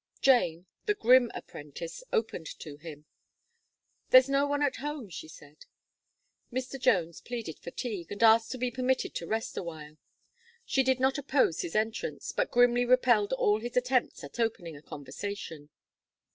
Jane, the grim apprentice, opened to him, "There's no one at home," she said. Mr. Jones pleaded fatigue, and asked to be permitted to rest awhile. She did not oppose his entrance, but grimly repelled all his attempts at opening a conversation.